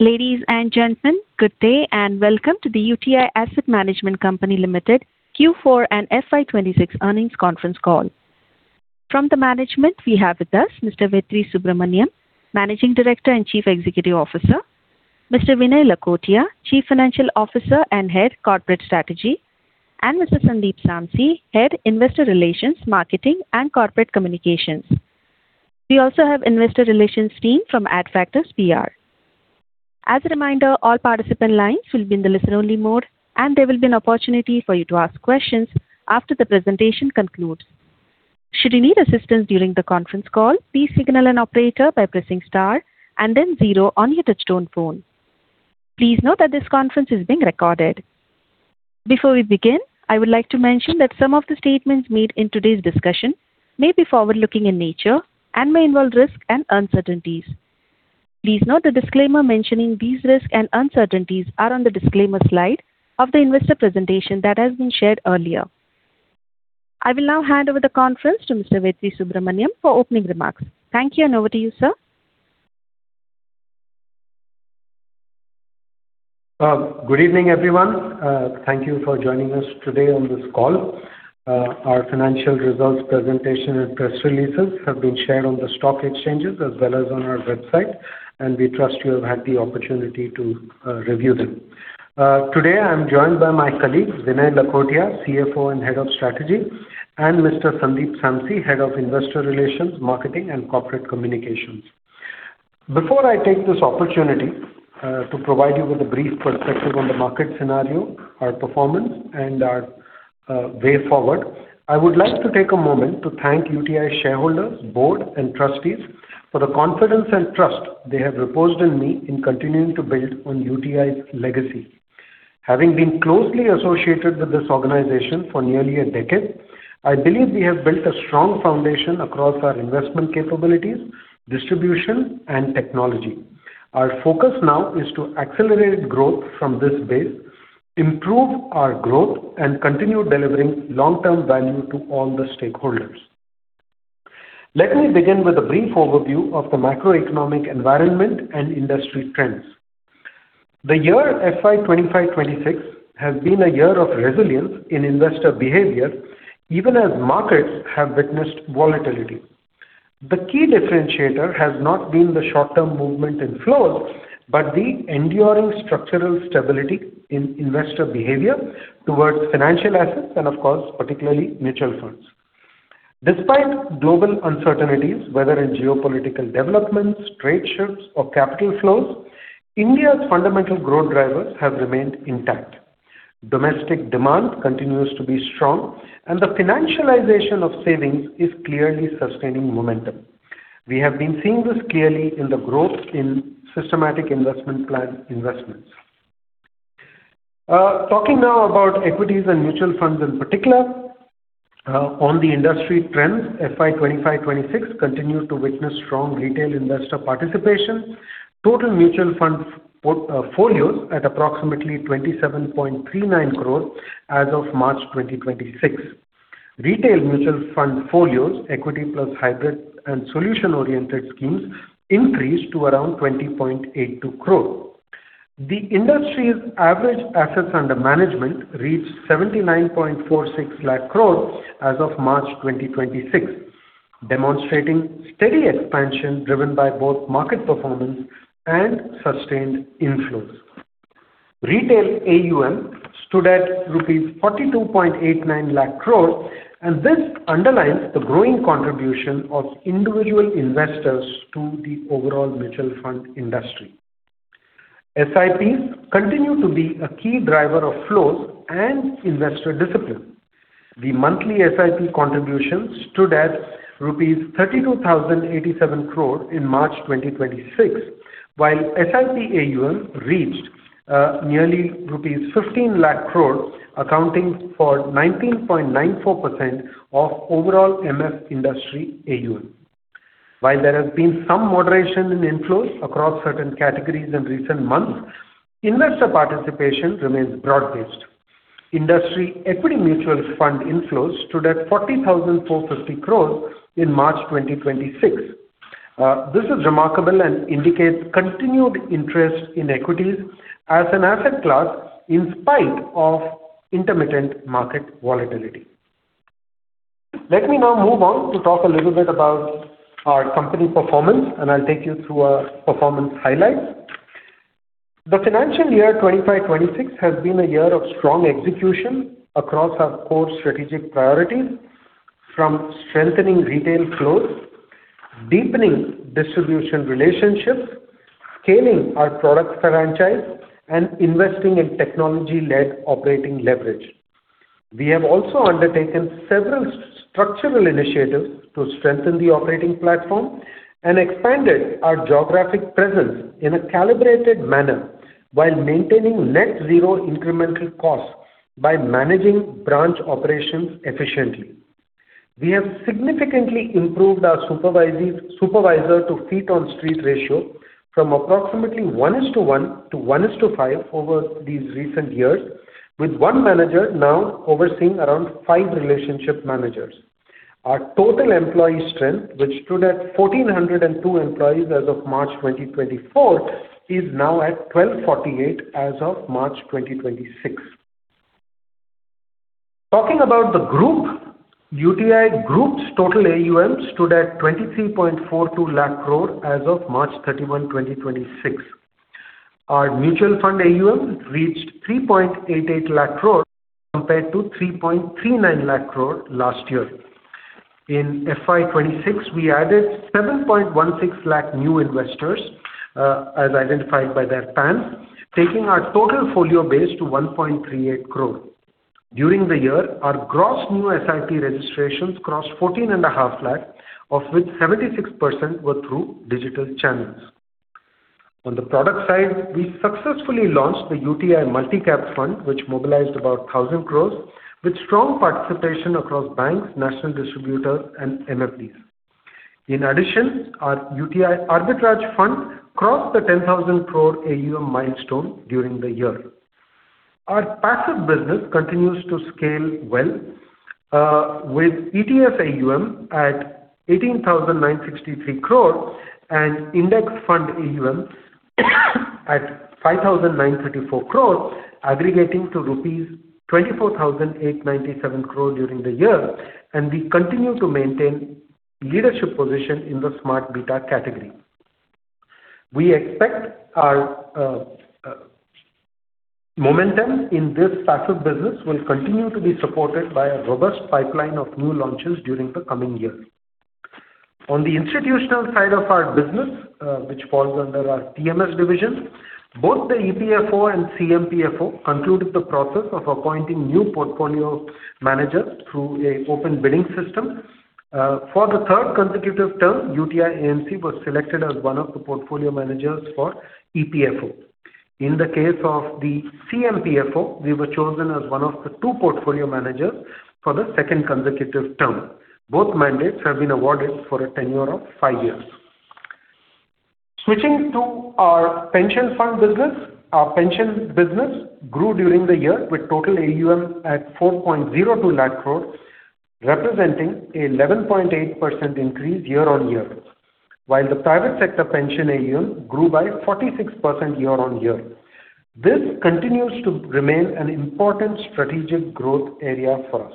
Ladies and gentlemen, good day and welcome to the UTI Asset Management Company Limited Q4 and FY 2026 earnings conference call. From the management we have with us Mr. Vetri Subramaniam, Managing Director and Chief Executive Officer. Mr. Vinay Lakhotia, Chief Financial Officer and Head Corporate Strategy, and Mr. Sandeep Samsi, Head, Investor Relations, Marketing, and Corporate Communications. We also have investor relations team from Adfactors PR. As a reminder, all participant lines will be in the listen-only mode and there will be an opportunity for you to ask questions after the presentation concludes. Should you need assistance during the conference call, please signal an operator by pressing star and then zero on your touchtone phone. Please note that this conference is being recorded. Before we begin, I would like to mention that some of the statements made in today's discussion may be forward-looking in nature and may involve risks and uncertainties. Please note the disclaimer mentioning these risks and uncertainties are on the disclaimer slide of the investor presentation that has been shared earlier. I will now hand over the conference to Mr. Vetri Subramaniam for opening remarks. Thank you, and over to you, sir. Good evening, everyone. Thank you for joining us today on this call. Our financial results presentation and press releases have been shared on the stock exchanges as well as on our website, and we trust you have had the opportunity to review them. Today I'm joined by my colleagues Vinay Lakhotia, CFO and Head of Strategy, and Mr. Sandeep Samsi, Head of Investor Relations, Marketing, and Corporate Communications. Before I take this opportunity to provide you with a brief perspective on the market scenario, our performance, and our way forward, I would like to take a moment to thank UTI shareholders, Board, and Trustees for the confidence and trust they have reposed in me in continuing to build on UTI's legacy. Having been closely associated with this organization for nearly a decade, I believe we have built a strong foundation across our investment capabilities, distribution, and technology. Our focus now is to accelerate growth from this base, improve our growth, and continue delivering long-term value to all the stakeholders. Let me begin with a brief overview of the macroeconomic environment and industry trends. The year FY 2025, 2026 has been a year of resilience in investor behavior, even as markets have witnessed volatility. The key differentiator has not been the short-term movement in flows, but the enduring structural stability in investor behavior towards financial assets and of course, particularly mutual funds. Despite global uncertainties, whether in geopolitical developments, trade shifts, or capital flows, India's fundamental growth drivers have remained intact. Domestic demand continues to be strong, and the financialization of savings is clearly sustaining momentum. We have been seeing this clearly in the growth in systematic investment plan investments. Talking now about equities and mutual funds in particular. On the industry trends, FY 2025, 2026 continued to witness strong retail investor participation. Total mutual fund portfolios at approximately 27.39 crores as of March 2026. Retail mutual fund folios, equity plus hybrid and solution-oriented schemes increased to around 20.82 crore. The industry's average assets under management reached 79.46 lakh crore as of March 2026, demonstrating steady expansion driven by both market performance and sustained inflows. Retail AUM stood at rupees 42.89 lakh crore, and this underlines the growing contribution of individual investors to the overall mutual fund industry. SIPs continue to be a key driver of flows and investor discipline. The monthly SIP contribution stood at rupees 32,087 crore in March 2026, while SIP AUM reached nearly rupees 15 lakh crore, accounting for 19.94% of overall MF industry AUM. While there has been some moderation in inflows across certain categories in recent months, investor participation remains broad-based. Industry equity mutual fund inflows stood at 40,450 crore in March 2026. This is remarkable and indicates continued interest in equities as an asset class in spite of intermittent market volatility. Let me now move on to talk a little bit about our company performance, and I'll take you through our performance highlights. The financial year 2025-26 has been a year of strong execution across our core strategic priorities from strengthening retail flows, deepening distribution relationships, scaling our product franchise, and investing in technology-led operating leverage. We have also undertaken several structural initiatives to strengthen the operating platform and expanded our geographic presence in a calibrated manner while maintaining net zero incremental costs by managing branch operations efficiently. We have significantly improved our supervisor to feet on street ratio from approximately 1:1 to 1:5 over these recent years, with one manager now overseeing around five relationship managers. Our total employee strength, which stood at 1,402 employees as of March 2024, is now at 1,248 as of March 2026. Talking about the group, UTI Group's total AUM stood at 23.42 lakh crore as of March 31, 2026. Our mutual fund AUM reached 3.88 lakh crore compared to 3.39 lakh crore last year. In FY 2026, we added 7.16 lakh new investors, as identified by their PAN, taking our total folio base to 1.38 crore. During the year, our gross new SIP registrations crossed 14.5 lakh, of which 76% were through digital channels. On the product side, we successfully launched the UTI Multi Cap Fund, which mobilized about 1,000 crores with strong participation across banks, national distributors, and MFDs. In addition, our UTI Arbitrage Fund crossed the 10,000 crore AUM milestone during the year. Our passive business continues to scale well, with ETF AUM at 18,963 crores and index fund AUM at 5,934 crores aggregating to rupees 24,897 crore during the year, and we continue to maintain leadership position in the smart beta category. We expect our momentum in this passive business will continue to be supported by a robust pipeline of new launches during the coming year. On the institutional side of our business, which falls under our TMS division, both the EPFO and CMPFO concluded the process of appointing new portfolio managers through an open bidding system. For the third consecutive term, UTI AMC was selected as one of the portfolio managers for EPFO. In the case of the CMPFO, we were chosen as one of the two portfolio managers for the second consecutive term. Both mandates have been awarded for a tenure of five years. Switching to our pension fund business. Our pension business grew during the year with total AUM at 4.02 lakh crores, representing an 11.8% increase year-on-year. While the private sector pension AUM grew by 46% year-on-year. This continues to remain an important strategic growth area for us.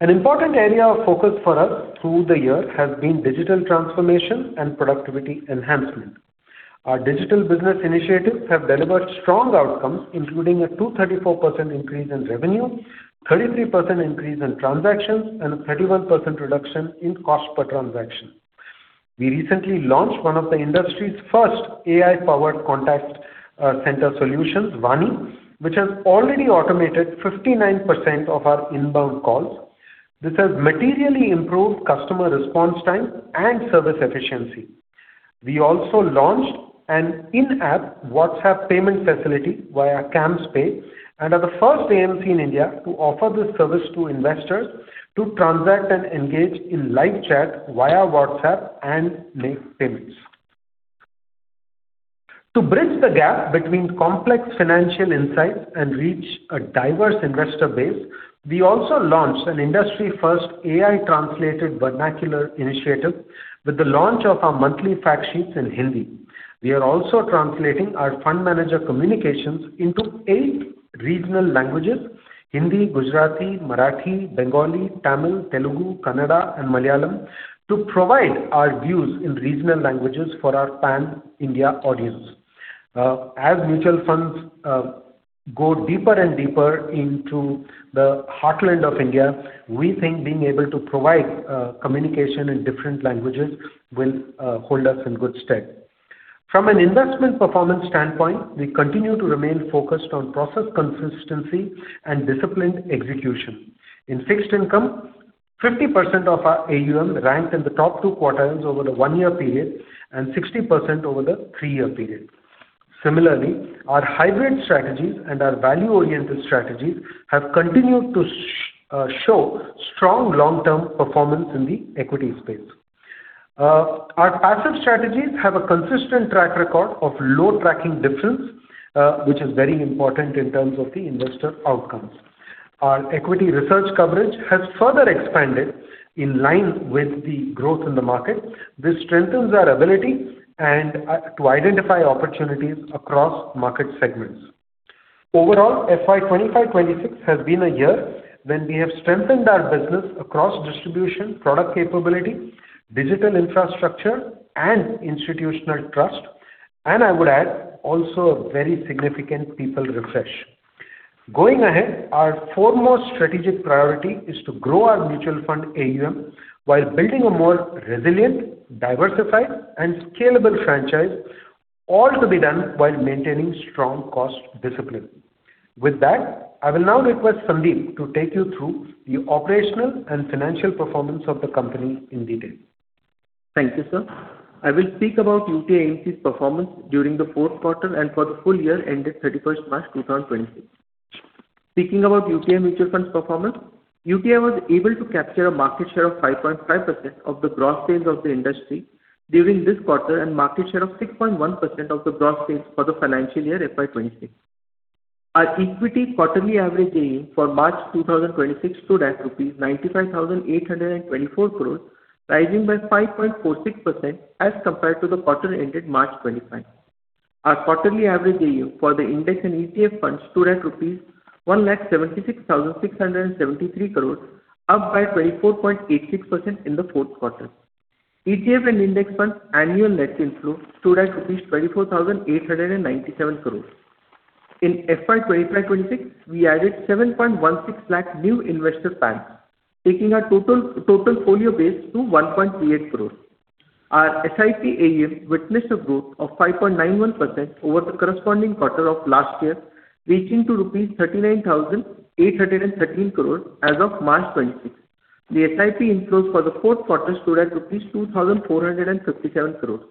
An important area of focus for us through the year has been digital transformation and productivity enhancement. Our digital business initiatives have delivered strong outcomes, including a 234% increase in revenue, 33% increase in transactions, and a 31% reduction in cost per transaction. We recently launched one of the industry's first AI-powered contact center solutions, Vani, which has already automated 59% of our inbound calls. This has materially improved customer response time and service efficiency. We also launched an in-app WhatsApp payment facility via CAMSPay and are the first AMC in India to offer this service to investors to transact and engage in live chat via WhatsApp and make payments. To bridge the gap between complex financial insights and reach a diverse investor base, we also launched an industry-first AI translated vernacular initiative with the launch of our monthly fact sheets in Hindi. We are also translating our fund manager communications into eight regional languages, Hindi, Gujarati, Marathi, Bengali, Tamil, Telugu, Kannada, and Malayalam, to provide our views in regional languages for our pan-India audience. As mutual funds go deeper and deeper into the heartland of India, we think being able to provide communication in different languages will hold us in good stead. From an investment performance standpoint, we continue to remain focused on process consistency and disciplined execution. In fixed income, 50% of our AUM ranked in the top two quartiles over the one-year period and 60% over the three-year period. Similarly, our hybrid strategies and our value-oriented strategies have continued to show strong long-term performance in the equity space. Our passive strategies have a consistent track record of low tracking difference, which is very important in terms of the investor outcomes. Our equity research coverage has further expanded in line with the growth in the market. This strengthens our ability to identify opportunities across market segments. Overall, FY 2025, 2026 has been a year when we have strengthened our business across distribution, product capability, digital infrastructure, and institutional trust, and I would add, also a very significant people refresh. Going ahead, our foremost strategic priority is to grow our mutual fund AUM while building a more resilient, diversified, and scalable franchise, all to be done while maintaining strong cost discipline. With that, I will now request Sandeep to take you through the operational and financial performance of the company in detail. Thank you, sir. I will speak about UTI AMC's performance during the fourth quarter and for the full year ended March 31st, 2026. Speaking about UTI Mutual Fund's performance, UTI was able to capture a market share of 5.5% of the gross sales of the industry during this quarter and market share of 6.1% of the gross sales for the financial year FY 2026. Our equity quarterly average AUM for March 2026 stood at rupees 95,824 crores, rising by 5.46% as compared to the quarter ended March 2025. Our quarterly average AUM for the index and ETF funds stood at INR 176,673 crores, up by 24.86% in the fourth quarter. ETF and index funds annual net inflow stood at 24,897 crores. In FY 2025, 2026, we added 7.16 lakh new investor PANs, taking our total folio base to 1.28 crores. Our SIP AUM witnessed a growth of 5.91% over the corresponding quarter of last year, reaching rupees 39,813 crores as of March 2026. The SIP inflows for the fourth quarter stood at rupees 2,457 crores.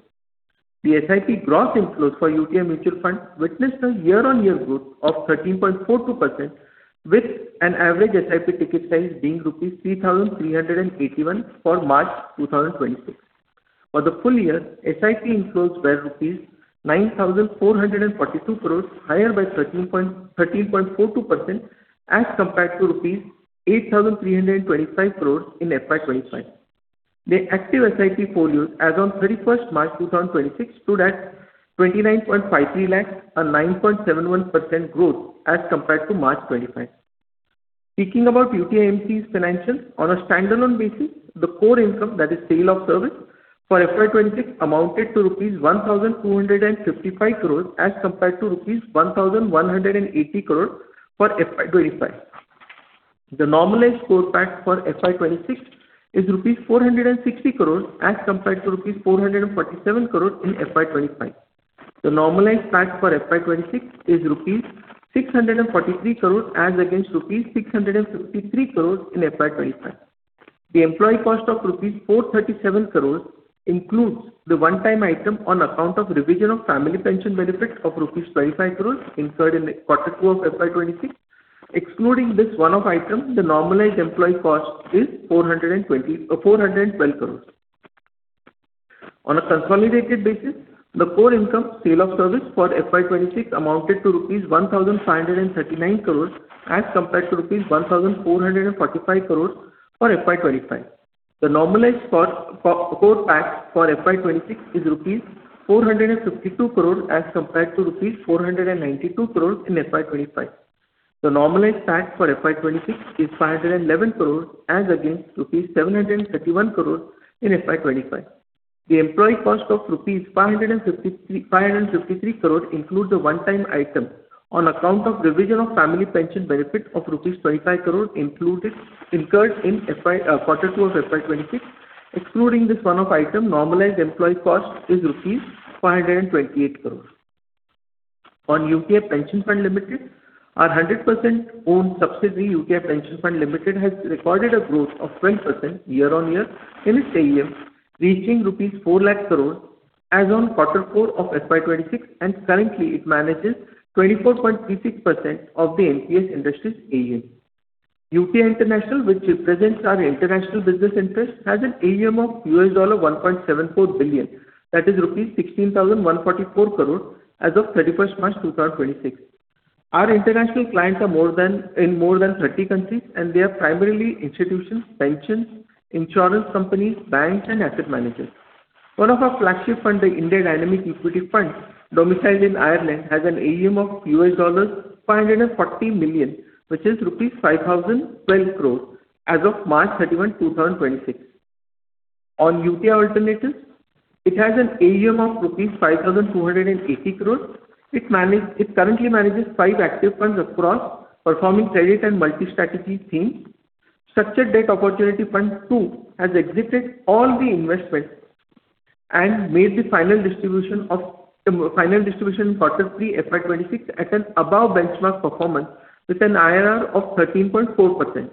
The SIP gross inflows for UTI Mutual Fund witnessed a year-on-year growth of 13.42%, with an average SIP ticket size being 3,381 rupees for March 2026. For the full year, SIP inflows were rupees 9,442 crores, higher by 13.42% as compared to rupees 8,325 crores in FY 2025. The active SIP folios as on March 31st, 2026 stood at 29.53 lakhs, a 9.71% growth as compared to March 2025. Speaking about UTI AMC's financials on a standalone basis, the core income, that is sale of service, for FY 2026 amounted to rupees 1,255 crores as compared to rupees 1,180 crores for FY 2025. The normalized core PAC for FY 2026 is rupees 460 crores as compared to rupees 447 crores in FY 2025. The normalized PAC for FY 2026 is rupees 643 crores as against rupees 653 crores in FY 2025. The employee cost of rupees 437 crores includes the one-time item on account of revision of family pension benefit of rupees 25 crores incurred in quarter two of FY 2026. Excluding this one-off item, the normalized employee cost is 412 crores. On a consolidated basis, the core income from sale of services for FY 2026 amounted to rupees 1,539 crores as compared to rupees 1,445 crores for FY 2025. The normalized core PAC for FY 2026 is rupees 452 crores as compared to rupees 492 crores in FY 2025. The normalized PAC for FY 2026 is 511 crores as against rupees 731 crores in FY 2025. The employee cost of 553 crore includes the one-time item on account of revision of family pension benefit of rupees 25 crore incurred in quarter two of FY 2026. Excluding this one-off item, normalized employee cost is rupees 528 crore. On UTI Pension Fund Limited, our 100% owned subsidiary, UTI Pension Fund Limited, has recorded a growth of 20% year-on-year in its AUM, reaching rupees 4 lakh crore as on quarter four of FY 2026, and currently it manages 24.36% of the NPS industry's AUM. UTI International, which represents our international business interest, has an AUM of $1.74 billion, that is rupees 16,144 crore, as of March 31st, 2026. Our international clients are in more than 30 countries, and they are primarily institutions, pensions, insurance companies, banks, and asset managers. One of our flagship funds, the UTI India Dynamic Equity Fund domiciled in Ireland, has an AUM of $540 million, which is rupees 5,012 crores, as of March 31, 2026. On UTI Alternatives, it has an AUM of rupees 5,280 crores. It currently manages five active funds across performing credit and multi-strategy themes. UTI Structured Debt Opportunities Fund II has exited all the investments and made the final distribution in quarter three FY 2026 at an above benchmark performance, with an IRR of 13.4%.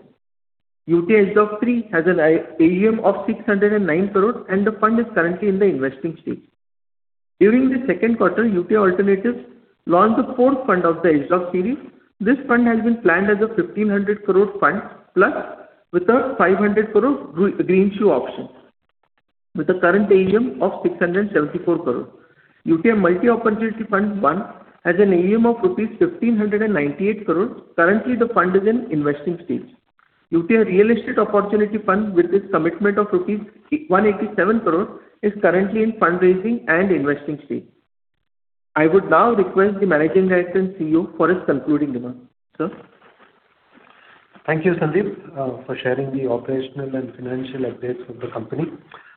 UTI SDOF III has an AUM of 609 crores, and the fund is currently in the investing stage. During the second quarter, UTI Alternatives launched the fourth fund of the SDOF series. This fund has been planned as a 1,500 crore fund plus, with a 500 crore greenshoe option. With a current AUM of 674 crore. UTI Multi-Opportunity Fund I has an AUM of rupees 1,598 crores. Currently, the fund is in investing stage. UTI Real Estate Opportunities Fund with its commitment of rupees 187 crores is currently in fundraising and investing stage. I would now request the Managing Director and CEO for his concluding remarks. Sir? Thank you, Sandeep, for sharing the operational and financial updates of the company.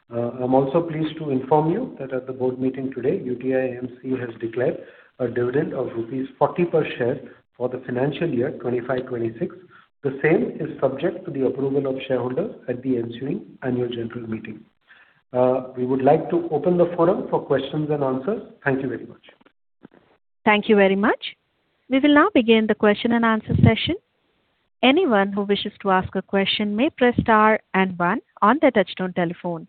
I'm also pleased to inform you that at the board meeting today, UTI AMC has declared a dividend of rupees 40 per share for the financial year 2025/2026. The same is subject to the approval of shareholders at the ensuing annual general meeting. We would like to open the forum for questions and answers. Thank you very much. Thank you very much. We will now begin the question and answer session. Anyone who wishes to ask a question may press star and one on their touchtone telephone.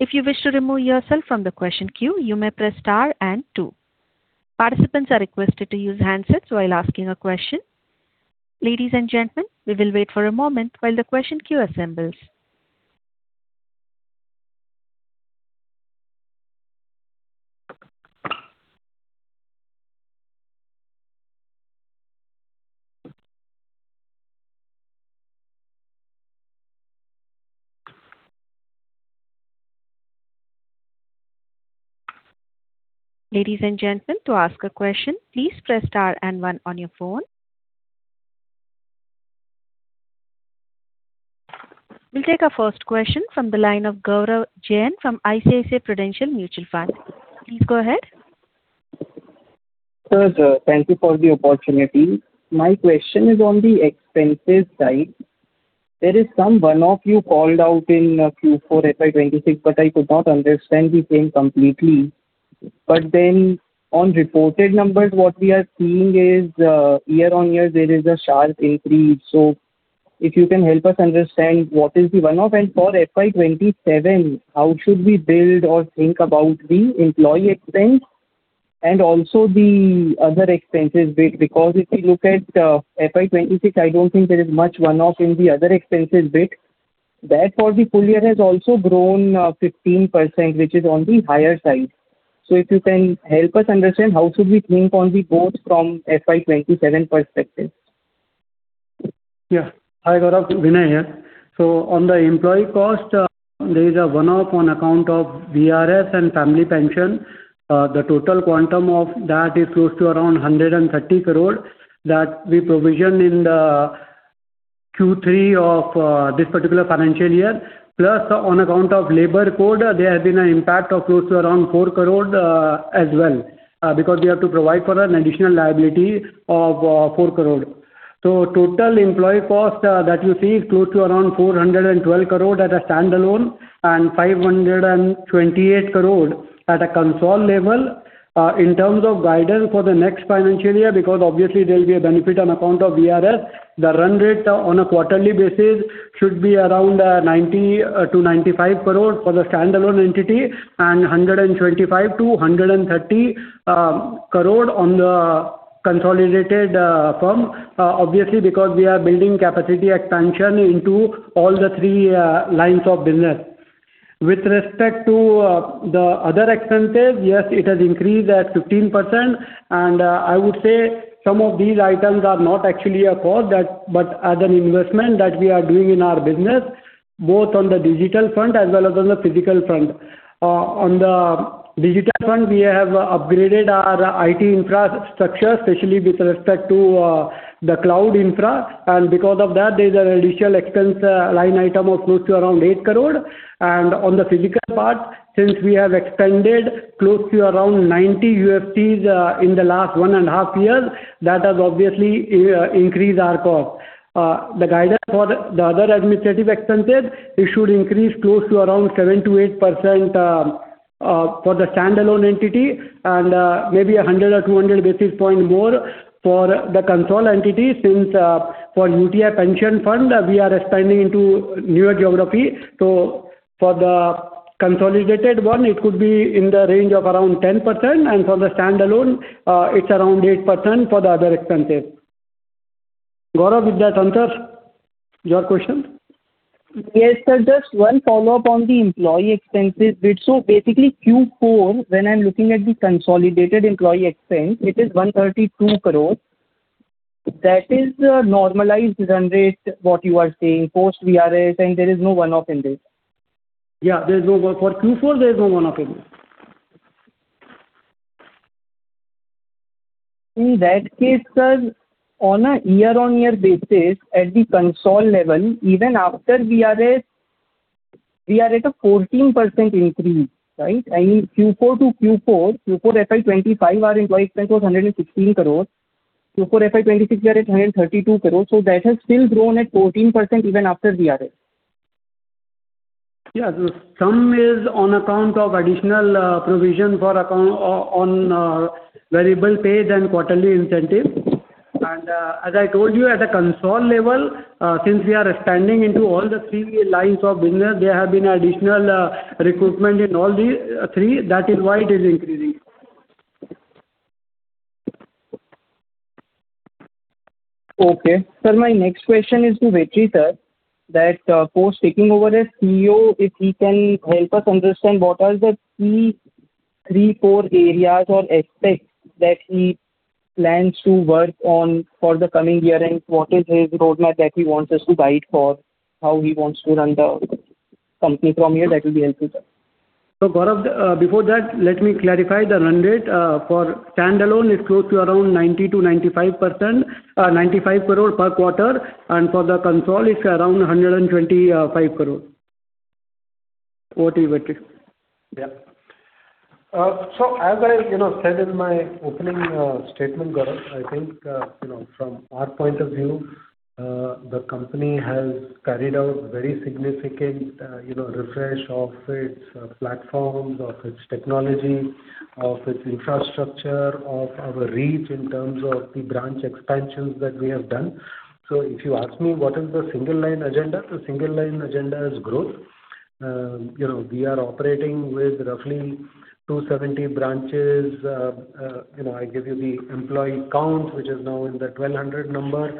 If you wish to remove yourself from the question queue, you may press star and two. Participants are requested to use handsets while asking a question. Ladies and gentlemen, we will wait for a moment while the question queue assembles. Ladies and gentlemen, to ask a question, please press star and one on your phone. We'll take our first question from the line of Gaurav Jain from ICICI Prudential Mutual Fund. Please go ahead. Sir, thank you for the opportunity. My question is on the expenses side. There is some one-off you called out in Q4 FY 2026, but I could not understand the same completely. On reported numbers, what we are seeing is year-on-year, there is a sharp increase. If you can help us understand what is the one-off and for FY 2027, how should we build or think about the employee expense and also the other expenses bit. If we look at FY 2027, I don't think there is much one-off in the other expenses bit that for the full year has also grown 15%, which is on the higher side. If you can help us understand how should we think about the OpEx from FY 2027 perspective. Yeah. Hi, Gaurav. Vinay here. On the employee cost, there is a one-off on account of VRS and family pension. The total quantum of that is close to around 130 crore that we provision in the Q3 of this particular financial year, plus on account of labor code, there has been an impact of close to around 4 crore as well, because we have to provide for an additional liability of 4 crore. Total employee cost that you see is close to around 412 crore at a standalone and 528 crore at a consolidated level. In terms of guidance for the next financial year, because obviously there will be a benefit on account of VRS, the run rate on a quarterly basis should be around 90 crore-95 crore for the standalone entity and 125 crore-130 crore on the consolidated firm. Obviously, because we are building capacity expansion into all three lines of business. With respect to the other expenses, yes, it has increased at 15%, and I would say some of these items are not actually a cost but as an investment that we are doing in our business, both on the digital front as well as on the physical front. On the digital front, we have upgraded our IT infrastructure, especially with respect to the cloud infra, and because of that, there is an additional expense line item of close to around 8 crore. On the physical part, since we have expanded close to around 90 UFCs in the last one and a half years, that has obviously increased our cost. The guidance for the other administrative expenses, it should increase close to around 7%-8% for the standalone entity and maybe 100 or 200 basis points more for the consolidated entity since for UTI Pension Fund, we are expanding into newer geography. For the consolidated one, it could be in the range of around 10%, and for the standalone, it's around 8% for the other expenses. Gaurav, is that answer your question? Yes, sir. Just one follow-up on the employee expenses bit. Basically, Q4, when I'm looking at the consolidated employee expense, it is 132 crores. That is the normalized run rate, what you are saying, post VRS, and there is no one-off in this? Yeah, for Q4, there is no one-off in this. In that case, sir, on a year-on-year basis, at the consolidated level, even after VRS, we are at a 14% increase, right? I mean, Q4 to Q4. Q4 FY 2025, our employee expense was INR 116 crores. Q4 FY 2026, we are at INR 132 crores. That has still grown at 14% even after VRS. Yeah. Some is on account of additional provision on variable pay and quarterly incentive. As I told you, at a consolidated level, since we are expanding into all the three lines of business, there have been additional recruitment in all three. That is why it is increasing. Okay. Sir, my next question is to Vetri, sir. That post taking over as CEO, if he can help us understand what are the key three, four areas or aspects that he plans to work on for the coming year, and what is his roadmap that he wants us to guide for how he wants to run the company from here, that will be helpful, sir. Gaurav, before that, let me clarify the run rate. For standalone, it's close to around 90 crore-95 crore per quarter, and for the consolidated, it's around 125 crore. Over to you, Vetri. Yeah. As I said in my opening statement, Gaurav, I think from our point of view, the company has carried out very significant refresh of its platforms, of its technology, of its infrastructure, of our reach in terms of the branch expansions that we have done. If you ask me what is the single line agenda, the single line agenda is growth. We are operating with roughly 270 branches. I give you the employee count, which is now in the 1,200 number.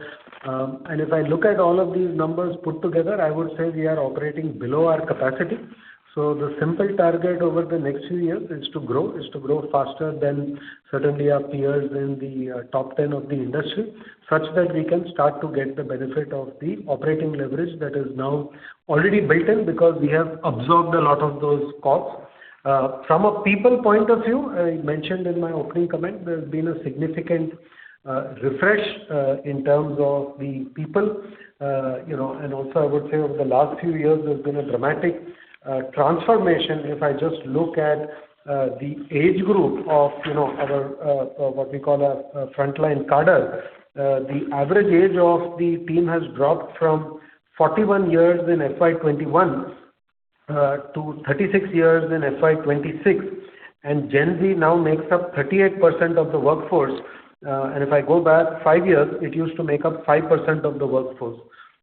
If I look at all of these numbers put together, I would say we are operating below our capacity. The simple target over the next few years is to grow faster than certainly our peers in the top 10 of the industry, such that we can start to get the benefit of the operating leverage that is now already built-in because we have absorbed a lot of those costs. From a people point of view, I mentioned in my opening comment, there's been a significant refresh in terms of the people and also I would say over the last few years, there's been a dramatic transformation. If I just look at the age group of what we call our frontline cadre, the average age of the team has dropped from 41 years in FY 2021 to 36 years in FY 2026, and Gen Z now makes up 38% of the workforce. If I go back five years, it used to make up 5% of the workforce.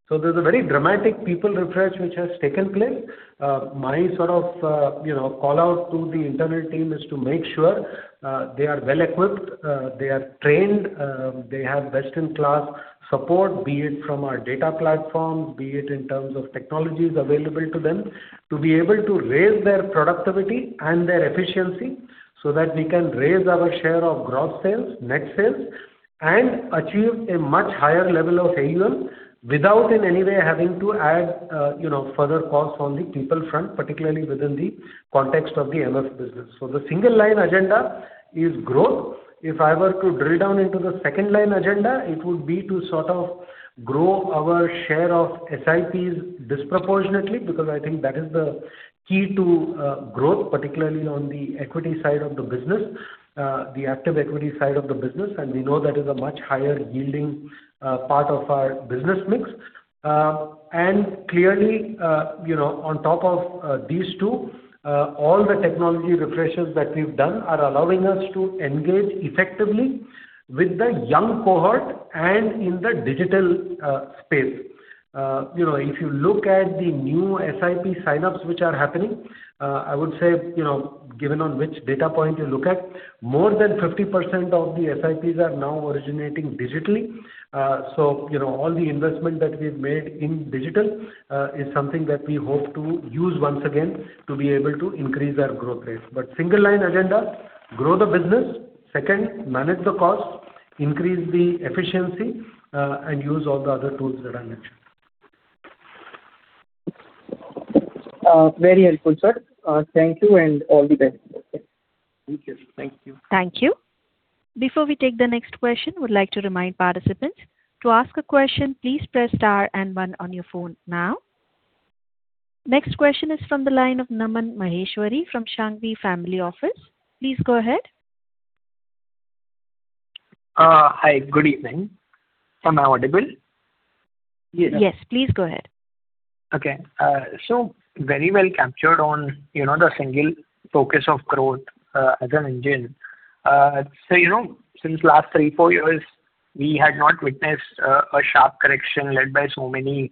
There's a very dramatic people refresh which has taken place. My call out to the internal team is to make sure they are well-equipped, they are trained, they have best-in-class support, be it from our data platform, be it in terms of technologies available to them, to be able to raise their productivity and their efficiency so that we can raise our share of gross sales, net sales, and achieve a much higher level of AUM without in any way having to add further costs on the people front, particularly within the context of the MF business. The single line agenda is growth. If I were to drill down into the second line agenda, it would be to sort of grow our share of SIPs disproportionately, because I think that is the key to growth, particularly on the equity side of the business, the active equity side of the business, and we know that is a much higher yielding part of our business mix. Clearly, on top of these two, all the technology refreshes that we've done are allowing us to engage effectively with the young cohort and in the digital space. If you look at the new SIP sign-ups which are happening, I would say, given on which data point you look at, more than 50% of the SIPs are now originating digitally. All the investment that we've made in digital is something that we hope to use once again to be able to increase our growth rate. Single line agenda, grow the business. Second, manage the cost, increase the efficiency, and use all the other tools that I mentioned. Very helpful, sir. Thank you, and all the best. Thank you.. Thank you. Before we take the next question, I would like to remind participants. To ask a question, please press star and one on your phone now. Next question is from the line of Naman Maheshwari from Shanghvi Family Office. Please go ahead. Hi, good evening. Am I audible? Yes, please go ahead. Okay. Very well captured on the single focus of growth as an engine. Since last three, four years, we had not witnessed a sharp correction led by so many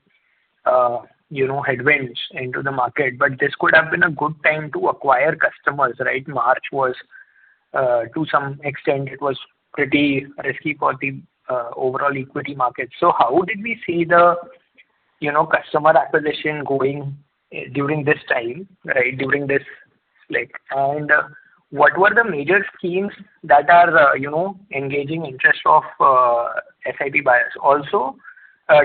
headwinds into the market, but this could have been a good time to acquire customers, right? March was, to some extent, pretty risky for the overall equity market. How did we see the customer acquisition going during this time? During this split. What were the major schemes that are engaging interest of SIP buyers? Also,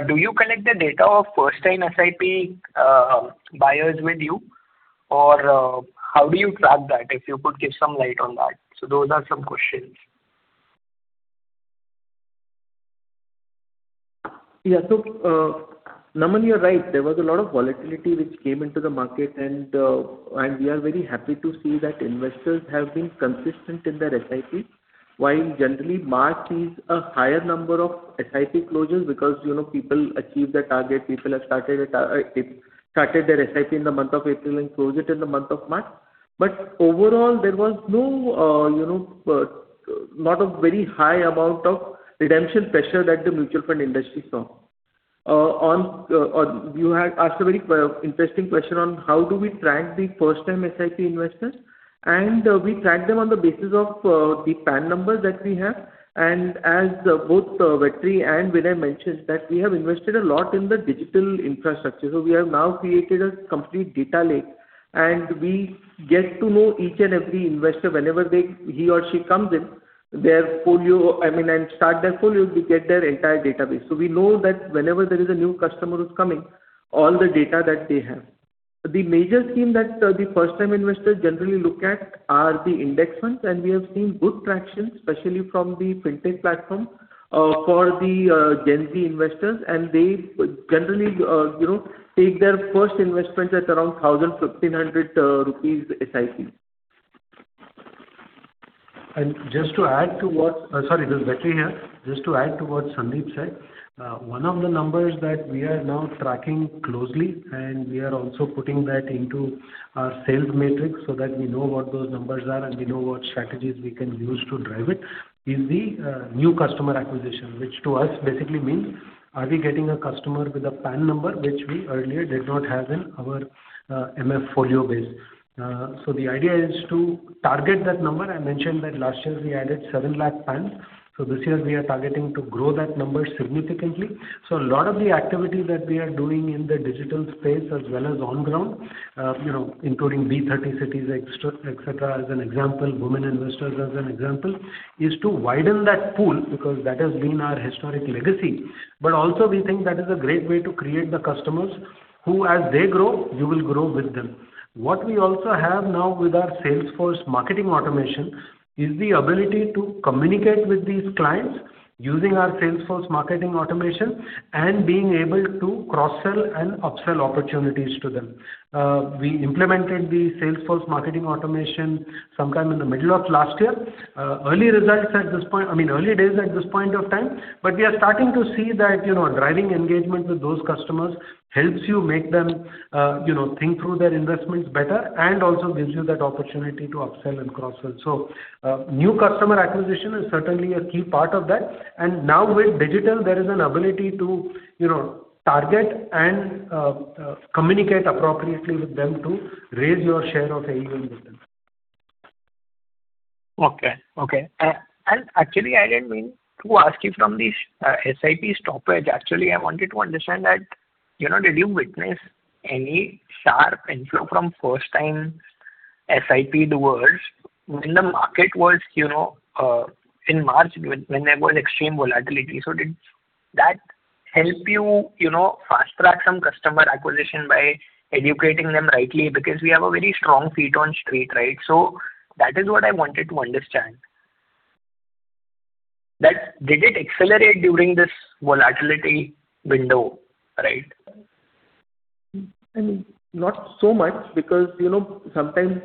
do you collect the data of first-time SIP buyers with you? Or how do you track that? If you could give some light on that. Those are some questions. Yeah. Naman, you're right, there was a lot of volatility which came into the market, and we are very happy to see that investors have been consistent in their SIP. While generally March sees a higher number of SIP closures because people achieve their target. People have started their SIP in the month of April and close it in the month of March. Overall, there was not a very high amount of redemption pressure that the mutual fund industry saw. You had asked a very interesting question on how do we track the first-time SIP investors, and we track them on the basis of the PAN number that we have, and as both Vetri and Vinay mentioned that we have invested a lot in the digital infrastructure. We have now created a complete data lake, and we get to know each and every investor whenever he or she comes in and start their folio, we get their entire database. We know that whenever there is a new customer who's coming, all the data that they have. The major scheme that the first-time investors generally look at are the index funds, and we have seen good traction, especially from the Fintech platform for the Gen Z investors, and they generally take their first investments at around 1,000, INR 1,500 SIPs. Sorry, this is Vetri here. Just to add to what Sandeep said. One of the numbers that we are now tracking closely, and we are also putting that into our sales matrix so that we know what those numbers are and we know what strategies we can use to drive it, is the new customer acquisition, which to us basically means, are we getting a customer with a PAN number which we earlier did not have in our MF folio base? The idea is to target that number. I mentioned that last year we added 7 lakh PANs, so this year we are targeting to grow that number significantly. A lot of the activity that we are doing in the digital space as well as on ground, including B30 cities, etc, as an example, women investors as an example, is to widen that pool because that has been our historic legacy. Also we think that is a great way to create the customers who as they grow, you will grow with them. What we also have now with our Salesforce marketing automation is the ability to communicate with these clients using our Salesforce marketing automation and being able to cross-sell and up-sell opportunities to them. We implemented the Salesforce Marketing Automation sometime in the middle of last year. Early days at this point of time, but we are starting to see that driving engagement with those customers helps you make them think through their investments better and also gives you that opportunity to up-sell and cross-sell. New customer acquisition is certainly a key part of that, and now with digital, there is an ability to target and communicate appropriately with them to raise your share of AUM with them. Okay. Actually, I didn't mean to ask you from the SIP stoppage. Actually, I wanted to understand that did you witness any sharp inflow from first-time SIP doers when the market was in March, when there was extreme volatility? Did that help you fast-track some customer acquisition by educating them rightly? Because we have a very strong feet on street, right? That is what I wanted to understand. That did it accelerate during this volatility window, right? Not so much because sometimes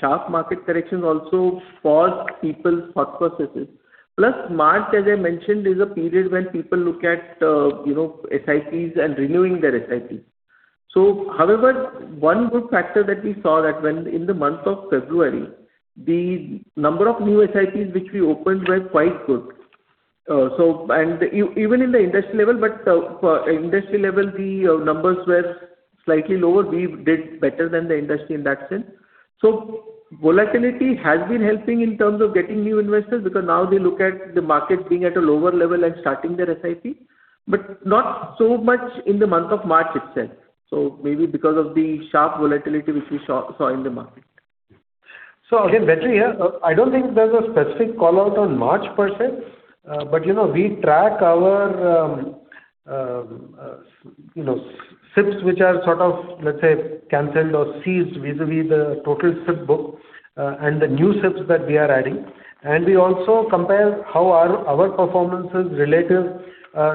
sharp market corrections also pause people's thought processes. Plus, March, as I mentioned, is a period when people look at SIPs and renewing their SIPs. However, one good factor that we saw when in the month of February, the number of new SIPs which we opened were quite good. Even in the industry level, but for industry level, the numbers were slightly lower. We did better than the industry in that sense. Volatility has been helping in terms of getting new investors because now they look at the market being at a lower level and starting their SIP, but not so much in the month of March itself. Maybe because of the sharp volatility which we saw in the market. Vetri Subramaniam here. I don't think there's a specific call-out on March per se. We track our SIPs which are sort of, let's say, canceled or ceased vis-a-vis the total SIP book, and the new SIPs that we are adding. We also compare how are our performances relative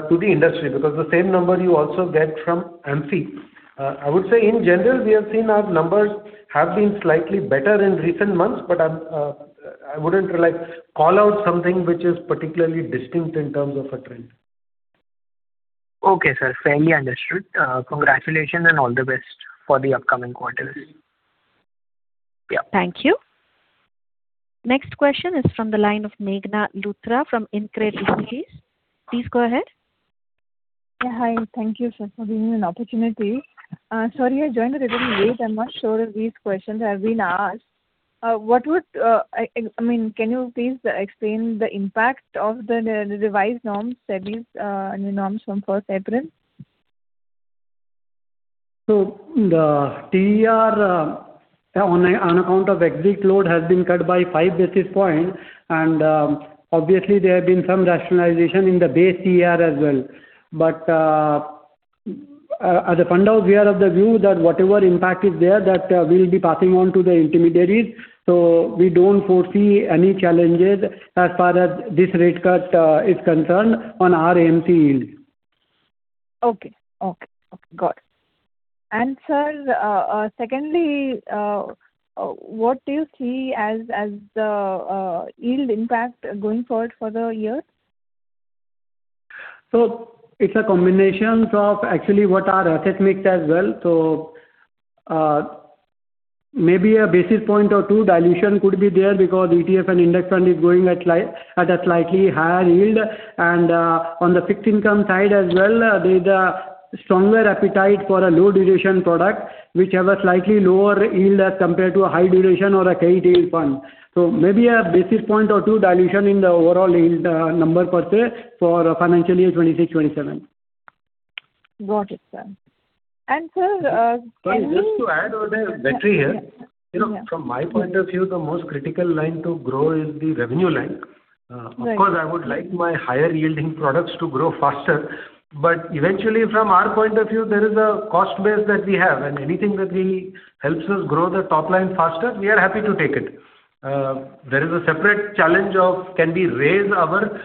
to the industry because the same number you also get from AMC. I would say in general, we have seen our numbers have been slightly better in recent months, but I wouldn't like call out something which is particularly distinct in terms of a trend. Okay, sir. Fairly understood. Congratulations and all the best for the upcoming quarters. Yeah. Thank you. Next question is from the line of Meghna Luthra from InCred Capital. Please go ahead. Yeah. Hi, thank you, sir, for giving an opportunity. Sorry I joined a little late. I'm not sure if these questions have been asked. Can you please explain the impact of the revised norms, SEBI's new norms from April 4th? The TER on account of exit load has been cut by five basis points and obviously there have been some rationalization in the base TER as well. As a fund house, we are of the view that whatever impact is there that we'll be passing on to the intermediaries. We don't foresee any challenges as far as this rate cut is concerned on our AMC yield. Okay. Got it. Sir, secondly, what do you see as the yield impact going forward for the year? It's a combination of actually what our assets mix as well. Maybe a basis point or two dilution could be there because ETF and index fund is growing at a slightly higher yield and on the fixed income side as well, there's a stronger appetite for a low duration product which have a slightly lower yield as compared to a high duration or a carry yield fund. Maybe a basis point or two dilution in the overall yield number per se for financial year 2026, 2027. Got it, sir. Sorry, just to add on that, Vetri here. Yeah. From my point of view, the most critical line to grow is the revenue line. Right. Of course, I would like my higher yielding products to grow faster, but eventually from our point of view, there is a cost base that we have and anything that helps us grow the top line faster, we are happy to take it. There is a separate challenge of can we raise our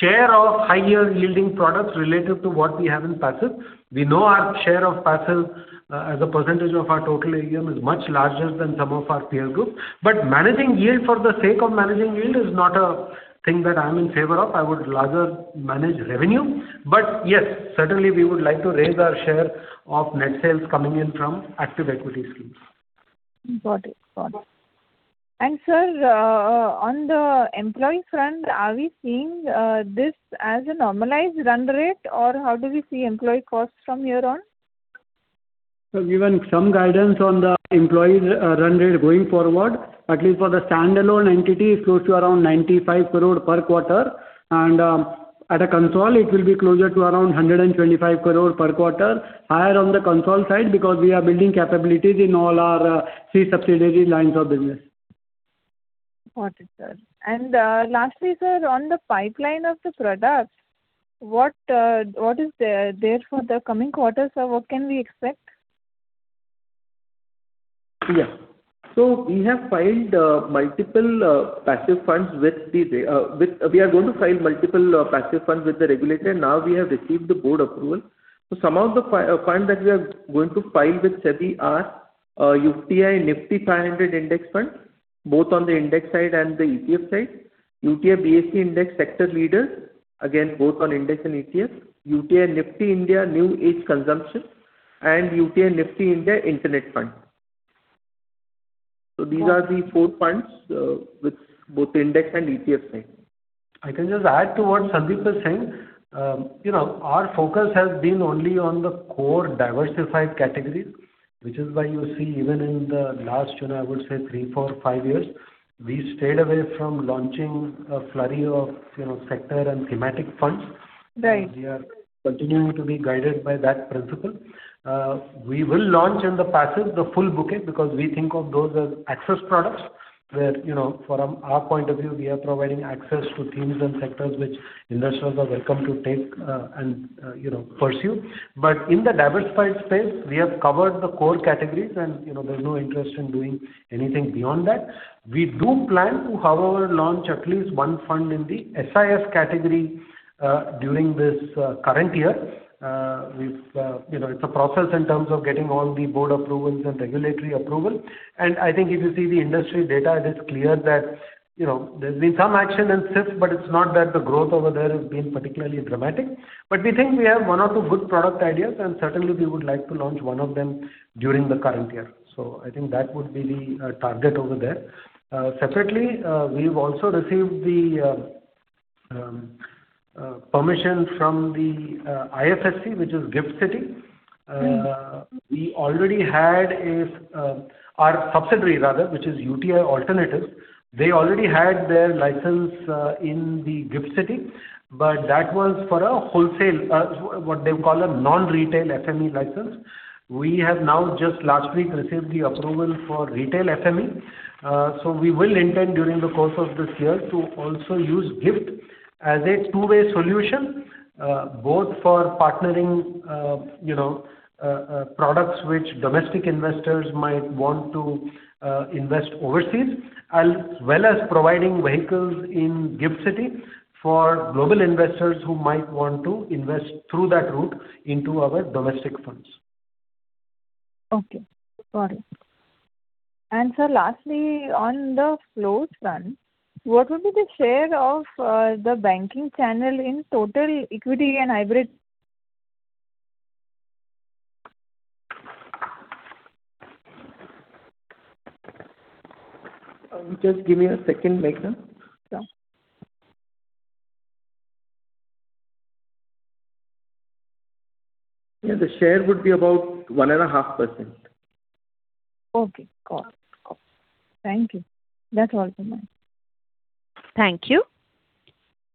share of higher yielding products relative to what we have in passive. We know our share of passive as a percentage of our total AUM is much larger than some of our peer group. Managing yield for the sake of managing yield is not a thing that I'm in favor of. I would rather manage revenue. Yes, certainly we would like to raise our share of net sales coming in from active equity schemes. Got it. Sir, on the employee front, are we seeing this as a normalized run rate or how do we see employee costs from here on? Given some guidance on the employee run rate going forward, at least for the standalone entity, it's close to around 95 crore per quarter and at a consolidated it will be closer to around 125 crore per quarter. Higher on the consolidated side because we are building capabilities in all our three subsidiary lines of business. Got it, sir. Lastly, sir, on the pipeline of the products, what is there for the coming quarters, or what can we expect? Yeah. We are going to file multiple passive funds with the regulator. Now we have received the board approval. Some of the funds that we are going to file with SEBI are UTI Nifty 500 Index Fund, both on the index side and the ETF side, UTI BSE Sensex Sector Leader, again both on index and ETF, UTI Nifty India New Age Consumption, and UTI Nifty India Internet Fund. These are the four funds with both index and ETF side. I can just add to what Sandeep was saying. Our focus has been only on the core diversified categories, which is why you see even in the last, I would say three, four, five years, we stayed away from launching a flurry of sector and thematic funds. Right. We are continuing to be guided by that principle. We will launch in the passive the full bouquet, because we think of those as access products where, from our point of view, we are providing access to themes and sectors which investors are welcome to take and pursue. But in the diversified space, we have covered the core categories, and there's no interest in doing anything beyond that. We do plan to, however, launch at least one fund in the SIF category during this current year. It's a process in terms of getting all the board approvals and regulatory approval. I think if you see the industry data, it is clear that there's been some action in SIF, but it's not that the growth over there has been particularly dramatic. We think we have one or two good product ideas, and certainly we would like to launch one of them during the current year. I think that would be the target over there. Separately, we've also received the permission from the IFSC, which is GIFT City. Mm-hmm. Our subsidiary, rather, which is UTI Alternatives, they already had their license in the GIFT City, but that was for a wholesale, what they call a non-retail SME license. We have now just last week received the approval for retail SME. We will intend during the course of this year to also use GIFT as a two-way solution, both for partnering products which domestic investors might want to invest overseas, as well as providing vehicles in GIFT City for global investors who might want to invest through that route into our domestic funds. Okay. Got it. Sir, lastly, on the flow front, what would be the share of the banking channel in total equity and hybrid? Just give me a second, Meghna. Sure. Yeah, the share would be about 1.5%. Okay, got it. Thank you. That's all for now. Thank you.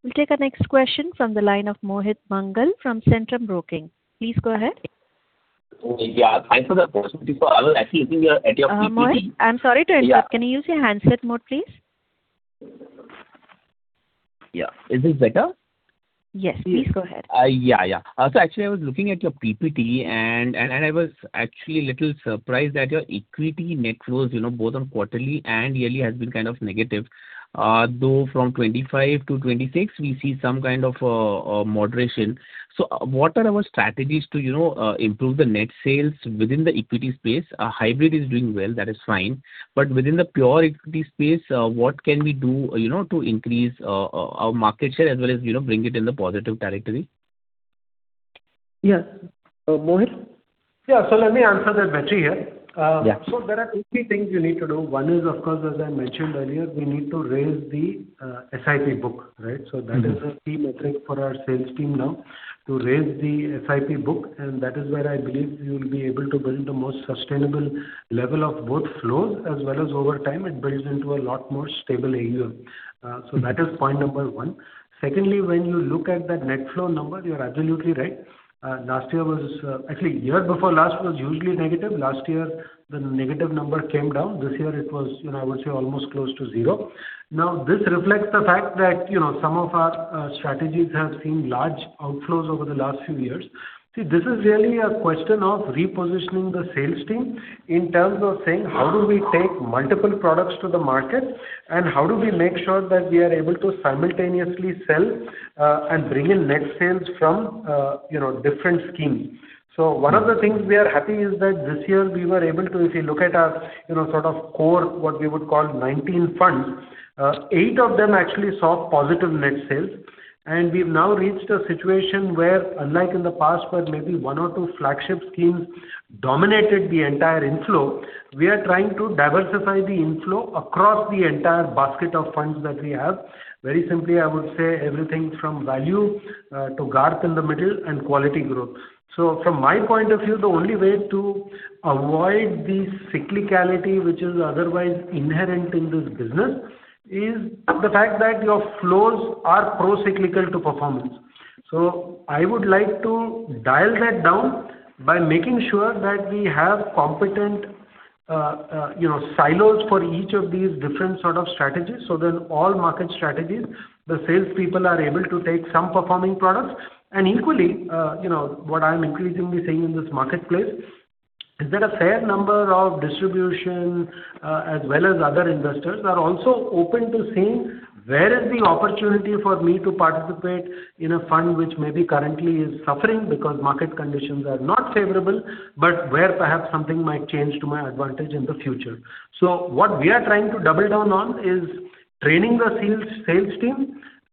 We'll take our next question from the line of Mohit Mangal from Centrum Broking. Please go ahead. Yeah, thanks for the opportunity, sir. I was actually looking at your PPT. Mohit, I'm sorry to interrupt. Yeah. Can you use your handset mode, please? Yeah. Is this better? Yes. Please go ahead. Yeah. Actually, I was looking at your PPT, and I was actually a little surprised that your equity net flows both on quarterly and yearly has been kind of negative. Though from 2025 to 2026 we see some kind of a moderation. What are our strategies to improve the net sales within the equity space? Our hybrid is doing well, that is fine. Within the pure equity space, what can we do to increase our market share as well as bring it in the positive territory? Yeah. Mohit? Yeah, let me answer that better here. Yeah. There are two, three things you need to do. One is, of course, as I mentioned earlier, we need to raise the SIP book, right? That is a key metric for our sales team now. To raise the SIP book, and that is where I believe we will be able to build the most sustainable level of both flows as well as over time it builds into a lot more stable AUM. That is point number one. Secondly, when you look at that net flow number, you're absolutely right. Actually, year before last was hugely negative. Last year the negative number came down. This year it was, I would say almost close to zero. Now, this reflects the fact that some of our strategies have seen large outflows over the last few years. See, this is really a question of repositioning the sales team in terms of saying how do we take multiple products to the market and how do we make sure that we are able to simultaneously sell and bring in net sales from different schemes. One of the things we are happy is that this year we were able to, if you look at our sort of core, what we would call 19 funds, eight of them actually saw positive net sales. We've now reached a situation where, unlike in the past where maybe one or two flagship schemes dominated the entire inflow. We are trying to diversify the inflow across the entire basket of funds that we have. Very simply, I would say everything from value to GARP in the middle and quality growth. From my point of view, the only way to avoid the cyclicality which is otherwise inherent in this business is the fact that your flows are pro-cyclical to performance. I would like to dial that down by making sure that we have competent silos for each of these different sort of strategies. All market strategies, the salespeople are able to take some performing products and equally, what I'm increasingly seeing in this marketplace is that a fair number of distributors, as well as other investors, are also open to saying, "Where is the opportunity for me to participate in a fund which may be currently is suffering because market conditions are not favorable, but where perhaps something might change to my advantage in the future?" What we are trying to double down on is training the sales team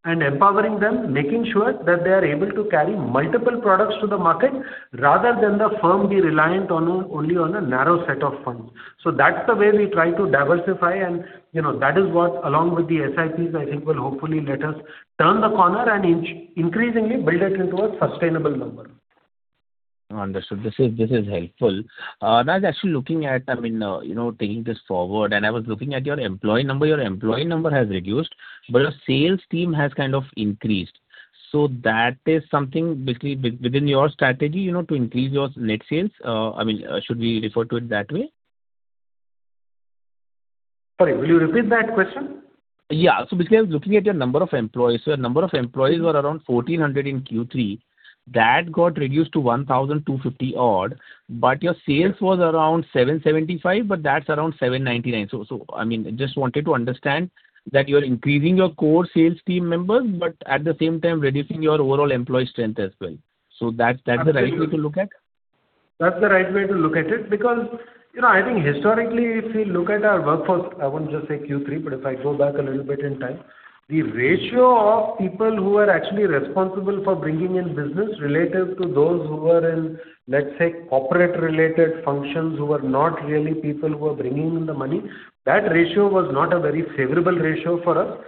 and empowering them, making sure that they are able to carry multiple products to the market rather than the firm be reliant only on a narrow set of funds. That's the way we try to diversify, and that is what, along with the SIPs, I think will hopefully let us turn the corner and increasingly build it into a sustainable number. Understood. This is helpful. I was actually looking at taking this forward, and I was looking at your employee number. Your employee number has reduced, but your sales team has kind of increased. That is something within your strategy, to increase your net sales. Should we refer to it that way? Sorry, will you repeat that question? Yeah. Basically I was looking at your number of employees. Your number of employees were around 1,400 in Q3. That got reduced to 1,250 odd, but your sales was around 775 but that's around 799. I just wanted to understand that you're increasing your core sales team members, but at the same time reducing your overall employee strength as well. That's the right way to look at? That's the right way to look at it because I think historically, if we look at our workforce, I won't just say Q3, but if I go back a little bit in time, the ratio of people who were actually responsible for bringing in business relative to those who were in, let's say, corporate related functions, who were not really people who were bringing in the money, that ratio was not a very favorable ratio for us.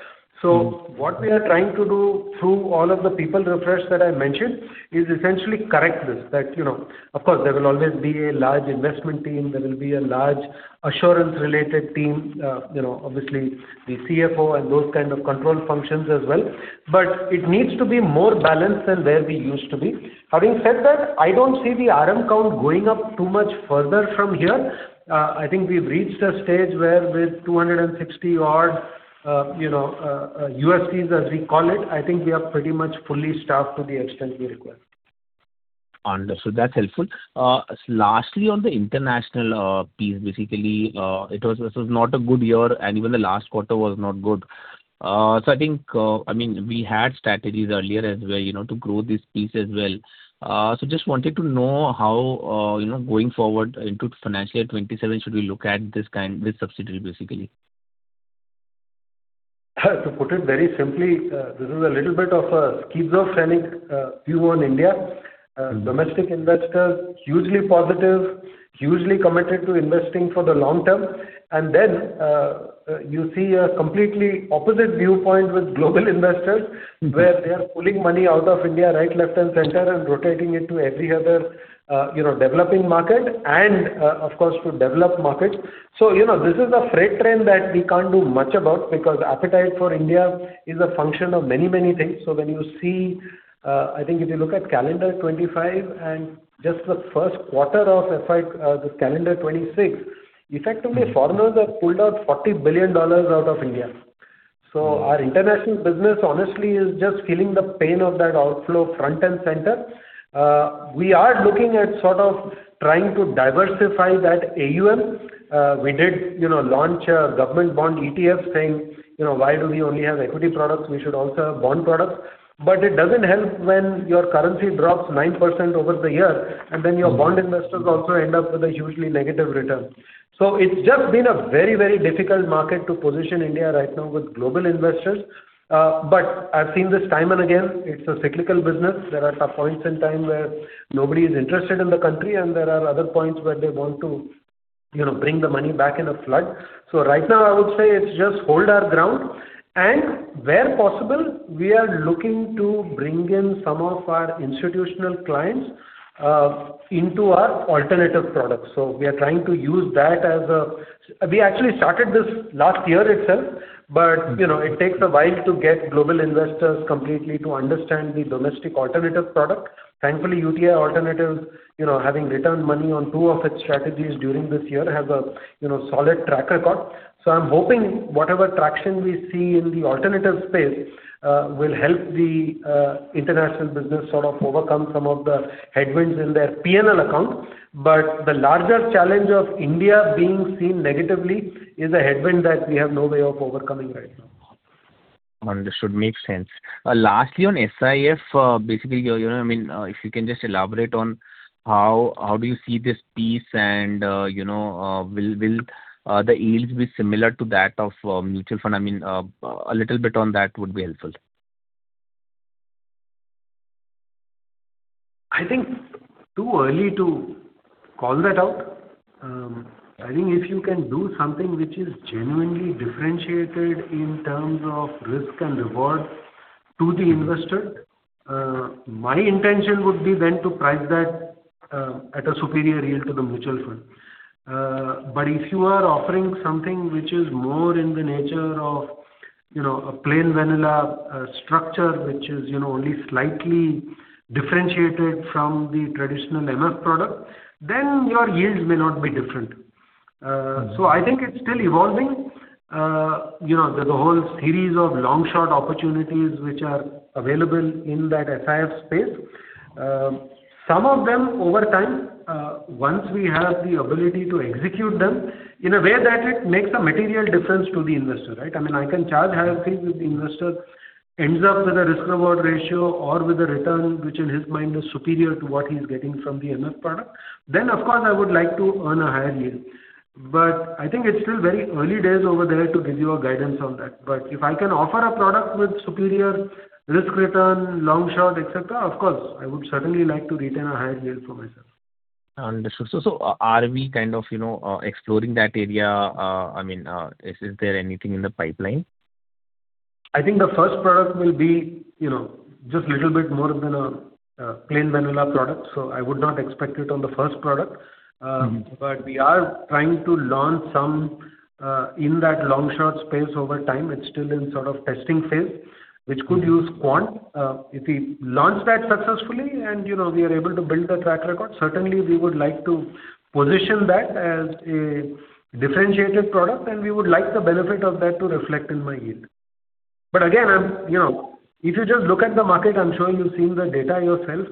What we are trying to do through all of the people refresh that I mentioned is essentially correct this. Of course, there will always be a large investment team, there will be a large assurance related team, obviously the CFO and those kind of control functions as well. It needs to be more balanced than where we used to be. Having said that, I don't see the RM count going up too much further from here. I think we've reached a stage where with 260-odd USCs, as we call it, I think we are pretty much fully staffed to the extent we require. Understood. That's helpful. Lastly, on the international piece, basically, this was not a good year and even the last quarter was not good. I think we had strategies earlier as well to grow this piece as well. Just wanted to know how, going forward into financial year 2027, should we look at this subsidiary, basically? To put it very simply, this is a little bit of a schizophrenic view on India. Domestic investors, hugely positive, hugely committed to investing for the long term. Then, you see a completely opposite viewpoint with global investors where they are pulling money out of India right, left, and center and rotating it to every other developing market and, of course, to developed markets. This is a freight train that we can't do much about because appetite for India is a function of many things. When you see, I think if you look at calendar 2025 and just the first quarter of the calendar 2026, effectively foreigners have pulled out $40 billion out of India. Our international business honestly is just feeling the pain of that outflow front and center. We are looking at sort of trying to diversify that AUM. We did launch a government bond ETF saying why do we only have equity products? We should also have bond products. It doesn't help when your currency drops 9% over the year, and then your bond investors also end up with a hugely negative return. It's just been a very difficult market to position India right now with global investors. I've seen this time and again, it's a cyclical business. There are some points in time where nobody is interested in the country and there are other points where they want to bring the money back in a flood. Right now I would say it's just hold our ground and where possible, we are looking to bring in some of our institutional clients into our alternative products. We are trying to use that as a... We actually started this last year itself, but it takes a while to get global investors completely to understand the domestic alternative product. Thankfully, UTI Alternatives, having returned money on two of its strategies during this year, has a solid track record. I'm hoping whatever traction we see in the alternative space will help the international business sort of overcome some of the headwinds in their P&L account. The larger challenge of India being seen negatively is a headwind that we have no way of overcoming right now. Understood. Makes sense. Lastly, on SIF, basically, if you can just elaborate on how do you see this piece and will the yields be similar to that of mutual fund? A little bit on that would be helpful. I think it's too early to call that out. I think if you can do something which is genuinely differentiated in terms of risk and reward to the investor, my intention would be then to price that at a superior yield to the mutual fund. If you are offering something which is more in the nature of a plain vanilla structure, which is only slightly differentiated from the traditional MF product, then your yields may not be different. I think it's still evolving. There's a whole series of long shot opportunities which are available in that SIF space. Some of them over time, once we have the ability to execute them in a way that it makes a material difference to the investor, right? I can charge higher fees if the investor ends up with a risk and reward ratio or with a return, which in his mind is superior to what he's getting from the MF product, then of course, I would like to earn a higher yield. I think it's still very early days over there to give you a guidance on that. If I can offer a product with superior risk return, long-short, etc, of course, I would certainly like to retain a higher yield for myself. Understood. Are we kind of exploring that area? Is there anything in the pipeline? I think the first product will be just little bit more than a plain vanilla product, so I would not expect it on the first product. Mm-hmm. We are trying to launch some in that long-short space over time. It's still in sort of testing phase, which could use quant. If we launch that successfully and we are able to build a track record, certainly we would like to position that as a differentiated product and we would like the benefit of that to reflect in my yield. Again, if you just look at the market, I'm sure you've seen the data yourself.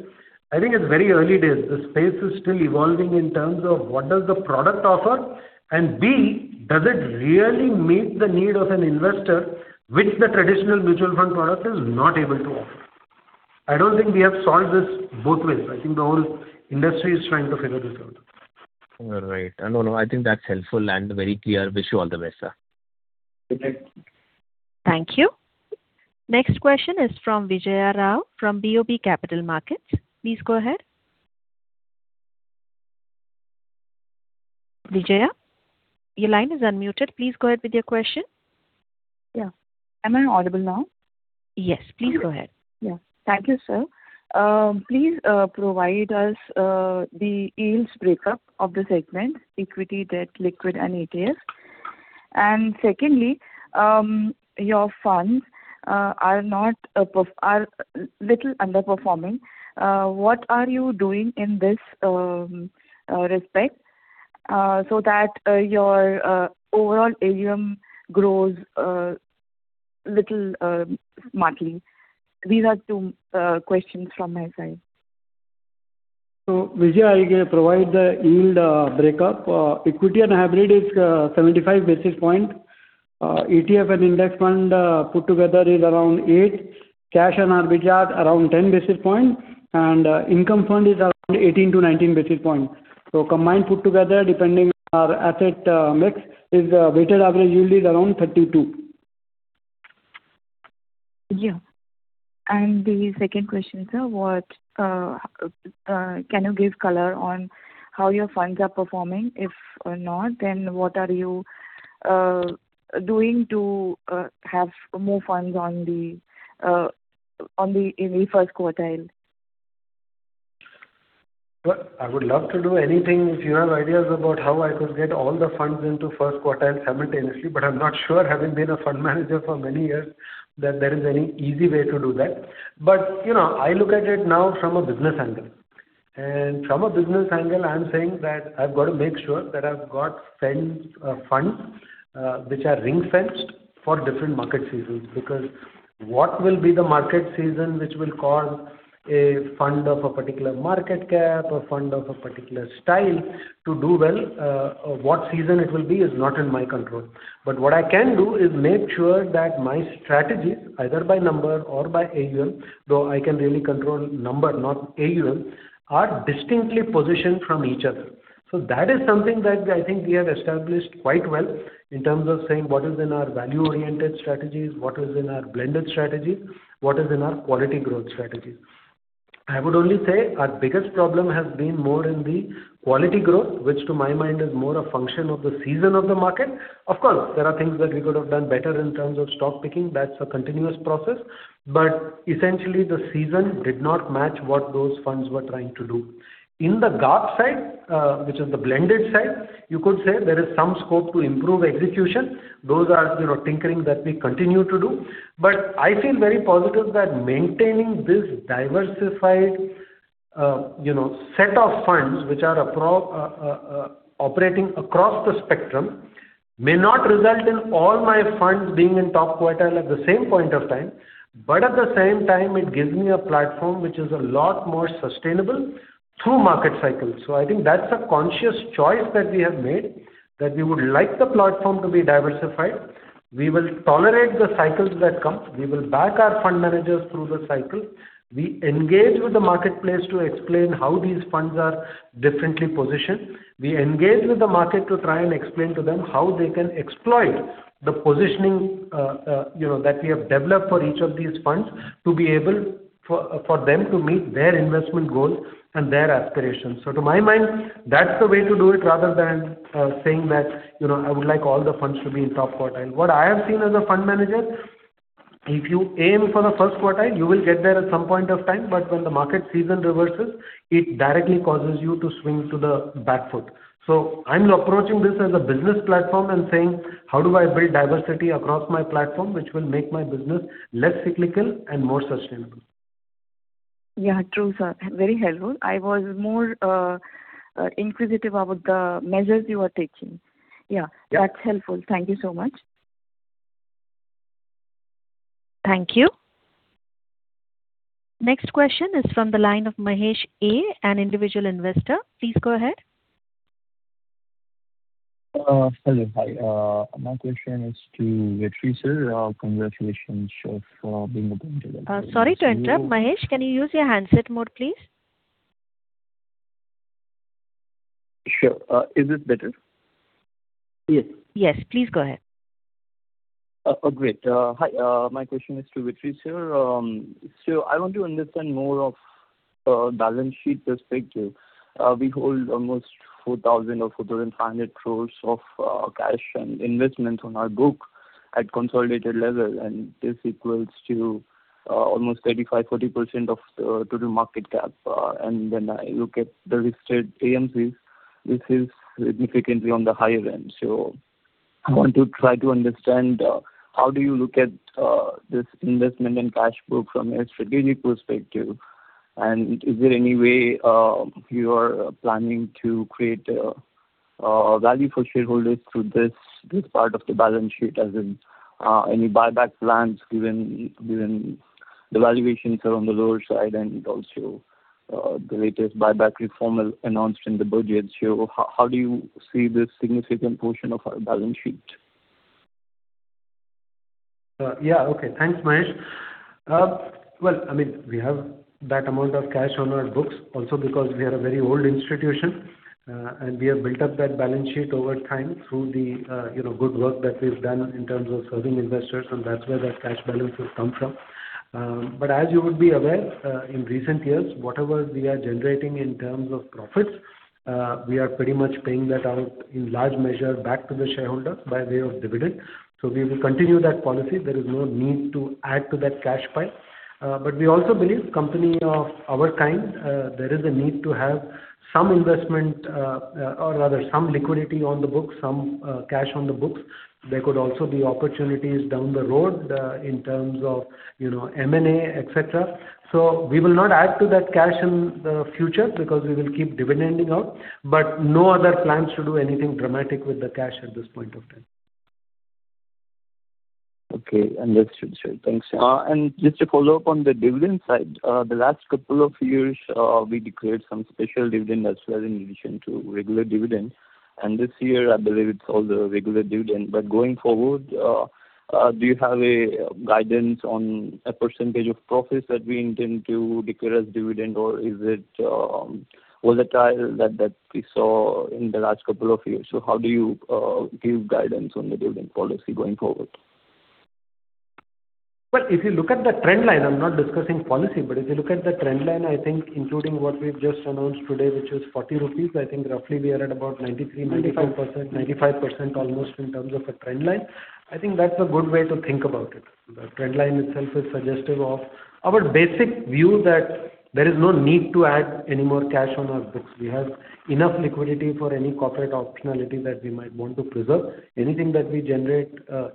I think it's very early days. The space is still evolving in terms of what does the product offer, and B, does it really meet the need of an investor which the traditional mutual fund product is not able to offer? I don't think we have solved this both ways. I think the whole industry is trying to figure this out. All right. No, I think that's helpful and very clear. Wish you all the best, sir. Thank you. Thank you. Next question is from Vijiya Rao from BOB Capital Markets. Please go ahead. Vijiya, your line is unmuted. Please go ahead with your question. Yeah. Am I audible now? Yes, please go ahead. Yeah. Thank you, sir. Please provide us the yields breakup of the segment, equity, debt, liquid, and ETF. Secondly, your funds are little underperforming. What are you doing in this respect so that your overall AUM grows a little smartly? These are two questions from my side. Vijiya, I can provide the yield breakup. Equity and hybrid is 75 basis point. ETF and index fund put together is around 8 basis points. Cash and arbitrage around 10 basis point, and income fund is around 18-19 basis point. Combined put together depending our asset mix is weighted average yield is around 32. Yeah. The second question, sir. Can you give color on how your funds are performing, whether or not, then what are you doing to have more funds in the first quartile? Well, I would love to do anything if you have ideas about how I could get all the funds into first quartile simultaneously, but I'm not sure, having been a fund manager for many years, that there is any easy way to do that. I look at it now from a business angle. From a business angle, I'm saying that I've got to make sure that I've got funds which are ring-fenced for different market seasons, because what will be the market season which will cause a fund of a particular market cap or fund of a particular style to do well, what season it will be is not in my control. What I can do is make sure that my strategies, either by number or by AUM, though I can really control number, not AUM, are distinctly positioned from each other. That is something that I think we have established quite well in terms of saying what is in our value-oriented strategies, what is in our blended strategies, what is in our quality growth strategies. I would only say our biggest problem has been more in the quality growth, which to my mind is more a function of the season of the market. Of course, there are things that we could have done better in terms of stock picking. That's a continuous process. But essentially the season did not match what those funds were trying to do. In the GARP side, which is the blended side, you could say there is some scope to improve execution. Those are tinkerings that we continue to do. I feel very positive that maintaining this diversified set of funds which are operating across the spectrum may not result in all my funds being in top quartile at the same point of time. At the same time, it gives me a platform which is a lot more sustainable through market cycles. I think that's a conscious choice that we have made. That we would like the platform to be diversified. We will tolerate the cycles that come. We will back our fund managers through the cycle. We engage with the marketplace to explain how these funds are differently positioned. We engage with the market to try and explain to them how they can exploit the positioning that we have developed for each of these funds to be able for them to meet their investment goals and their aspirations. To my mind, that's the way to do it rather than saying that, I would like all the funds to be in top quartile. What I have seen as a fund manager, if you aim for the first quartile, you will get there at some point of time. When the market season reverses, it directly causes you to swing to the back foot. I'm approaching this as a business platform and saying, how do I build diversity across my platform, which will make my business less cyclical and more sustainable. Yeah, true, sir. Very helpful. I was more inquisitive about the measures you are taking. Yeah. Yeah. That's helpful. Thank you so much. Thank you. Next question is from the line of Mahesh A, an individual investor. Please go ahead. Hello. Hi. My question is to Vetri, sir. Congratulations for being Sorry to interrupt, Mahesh, can you use your handset mode, please? Sure. Is this better? Yes. Yes, please go ahead. Oh, great. Hi, my question is to Vetri Subramaniam, sir. I want to understand from a balance sheet perspective. We hold almost 4,000 or 4,500 crores of cash and investments on our books at consolidated level, and this equals to almost 35%-40% of total market cap. When I look at the listed AMCs, this is significantly on the higher end. I want to try to understand, how do you look at this investment in cash book from a strategic perspective? And is there any way you are planning to create value for shareholders through this part of the balance sheet? As in any buyback plans given the valuations are on the lower side and also the latest buyback reform announced in the budget. How do you see this significant portion of our balance sheet? Yeah. Okay. Thanks, Mahesh A. Well, we have that amount of cash on our books also because we are a very old institution, and we have built up that balance sheet over time through the good work that we've done in terms of serving investors, and that's where that cash balance has come from. As you would be aware, in recent years, whatever we are generating in terms of profits, we are pretty much paying that out in large measure back to the shareholders by way of dividend. We will continue that policy. There is no need to add to that cash pile. We also believe for a company of our kind, there is a need to have some investment or rather some liquidity on the books, some cash on the books. There could also be opportunities down the road in terms of M&A, etc. We will not add to that cash in the future because we will keep dividending out, but no other plans to do anything dramatic with the cash at this point of time. Okay. Understood, sir. Thanks. Just a follow-up on the dividend side. The last couple of years, we declared some special dividend as well in addition to regular dividend. This year, I believe it's all the regular dividend. Going forward, do you have a guidance on a percentage of profits that we intend to declare as dividend or is it volatile that we saw in the last couple of years? How do you give guidance on the dividend policy going forward? Well, if you look at the trend line, I'm not discussing policy, but if you look at the trend line, I think including what we've just announced today, which is 40 rupees, I think roughly we are at about 93%-95% almost in terms of a trend line. I think that's a good way to think about it. The trend line itself is suggestive of our basic view that there is no need to add any more cash on our books. We have enough liquidity for any corporate optionality that we might want to preserve. Anything that we generate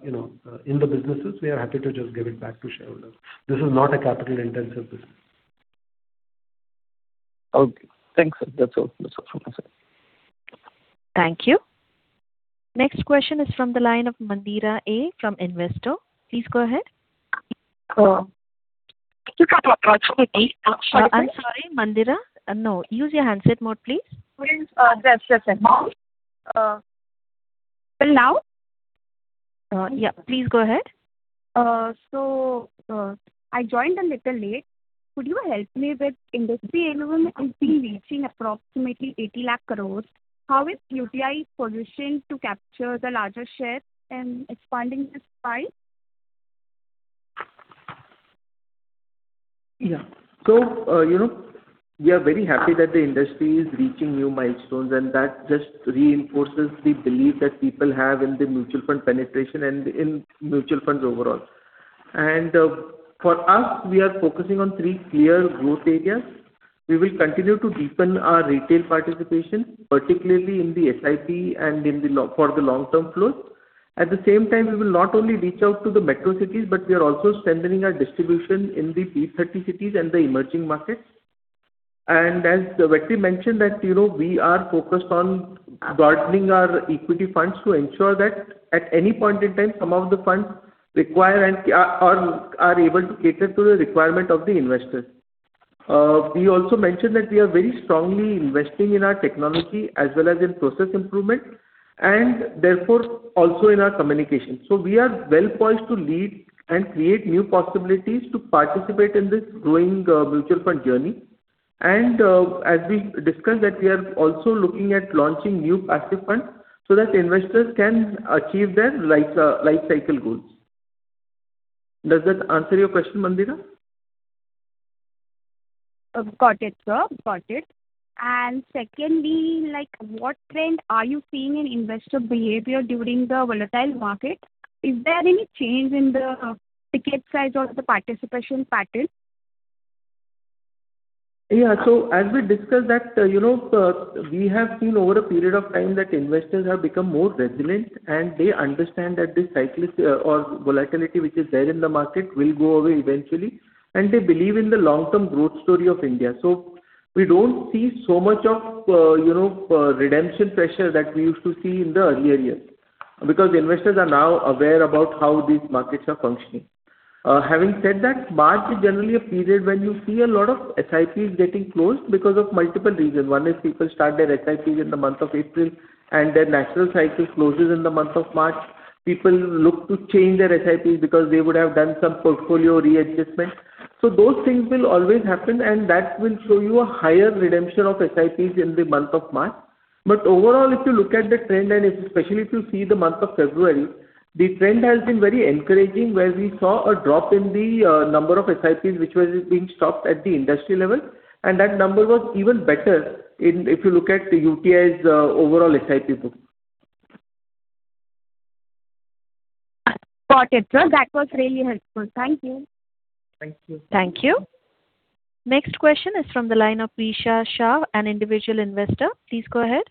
in the businesses, we are happy to just give it back to shareholders. This is not a capital-intensive business. Okay. Thanks, sir. That's all from my side. Thank you. Next question is from the line of Mandira A from Investor. Please go ahead. I'm sorry, Mandira. No. Use your handset mode, please. Yes. Can you hear me now? Yeah. Please go ahead. I joined a little late. Could you help me with industry AUM has been reaching approximately 80 lakh crores. How is UTI positioned to capture the larger share and expanding this pie? Yeah. We are very happy that the industry is reaching new milestones and that just reinforces the belief that people have in the mutual fund penetration and in mutual funds overall. For us, we are focusing on three clear growth areas. We will continue to deepen our retail participation, particularly in the SIP and for the long-term flows. At the same time, we will not only reach out to the metro cities, but we are also strengthening our distribution in the B30 cities and the emerging markets. As Vetri mentioned that we are focused on growing our equity funds to ensure that at any point in time some of the funds are required and are able to cater to the requirement of the investor. We also mentioned that we are very strongly investing in our technology as well as in process improvement, and therefore, also in our communication. We are well-poised to lead and create new possibilities to participate in this growing mutual fund journey. As we discussed that we are also looking at launching new passive funds so that investors can achieve their life cycle goals. Does that answer your question, Mandira? Got it, sir. Got it. Secondly, what trend are you seeing in investor behavior during the volatile market? Is there any change in the ticket size or the participation pattern? Yeah. As we discussed that, we have seen over a period of time that investors have become more resilient, and they understand that this volatility which is there in the market will go away eventually. They believe in the long-term growth story of India. We don't see so much of redemption pressure that we used to see in the earlier years, because investors are now aware about how these markets are functioning. Having said that, March is generally a period when you see a lot of SIPs getting closed because of multiple reasons. One is people start their SIPs in the month of April, and their natural cycle closes in the month of March. People look to change their SIPs because they would have done some portfolio readjustment. Those things will always happen, and that will show you a higher redemption of SIPs in the month of March. Overall, if you look at the trend, and especially if you see the month of February, the trend has been very encouraging where we saw a drop in the number of SIPs which was being stopped at the industry level, and that number was even better if you look at UTI's overall SIP book. Got it, sir. That was really helpful. Thank you. Thank you. Thank you. Next question is from the line of Esha Shah, an individual investor. Please go ahead.